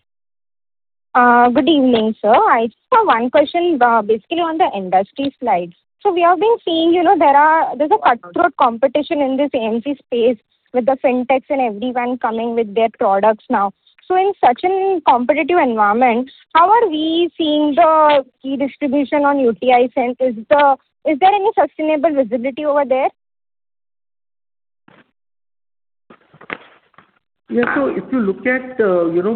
Good evening, sir. I just have one question, basically on the industry slides. We have been seeing there's a cutthroat competition in this AMC space with the fintechs and everyone coming with their products now. In such a competitive environment, how are we seeing the key distribution on UTI? Is there any sustainable visibility over there? Yeah. If you look at,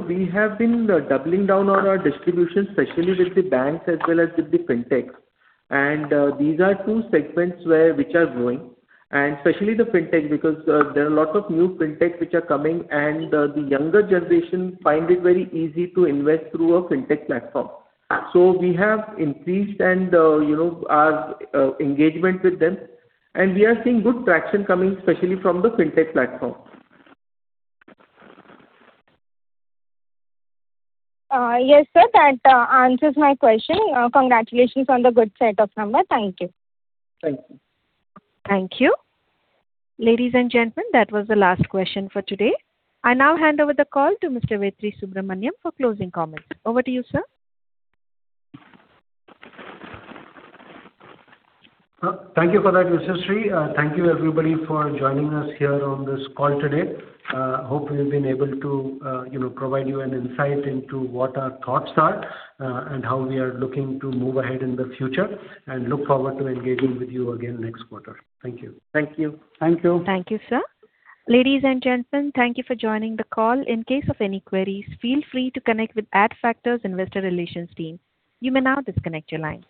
we have been doubling down on our distribution, especially with the banks as well as with the fintechs. These are two segments which are growing, and especially the fintech because there are a lot of new fintechs which are coming, and the younger generation find it very easy to invest through a fintech platform. We have increased our engagement with them, and we are seeing good traction coming, especially from the fintech platform. Yes, sir. That answers my question. Congratulations on the good set of numbers. Thank you. Thank you. Thank you. Ladies and gentlemen, that was the last question for today. I now hand over the call to Mr. Vetri Subramaniam for closing comments. Over to you, sir. Thank you for that, Ms. Ashri. Thank you everybody for joining us here on this call today. Hope we've been able to provide you an insight into what our thoughts are and how we are looking to move ahead in the future, and look forward to engaging with you again next quarter. Thank you. Thank you. Thank you. Thank you, sir. Ladies and gentlemen, thank you for joining the call. In case of any queries, feel free to connect with Adfactors Investor Relations team. You may now disconnect your line.